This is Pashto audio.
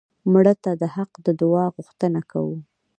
مړه ته د حق د دعا غوښتنه کوو